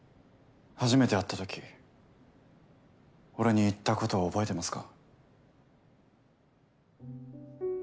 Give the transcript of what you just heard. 初めて会ったとき俺に言ったことを覚えてますか？